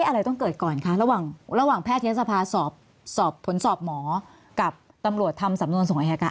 อะไรต้องเกิดก่อนคะระหว่างแพทยศภาสอบผลสอบหมอกับตำรวจทำสำนวนส่งอายการ